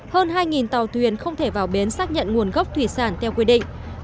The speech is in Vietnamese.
hơn hai tàu thuyền không thể vào bến xác nhận nguồn gốc thủy sản theo quy định